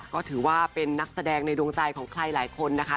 ก็ถือว่าเป็นนักแสดงในดวงใจของใครหลายคนนะคะ